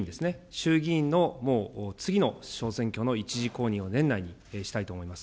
衆議院のもう次の小選挙の１次公認を年内にしたいと思います。